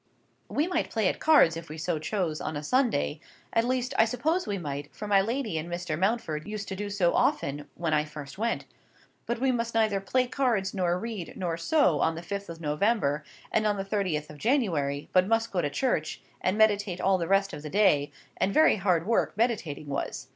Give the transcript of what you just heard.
We might play at cards, if we so chose, on a Sunday; at least, I suppose we might, for my lady and Mr. Mountford used to do so often when I first went. But we must neither play cards, nor read, nor sew on the fifth of November and on the thirtieth of January, but must go to church, and meditate all the rest of the day—and very hard work meditating was.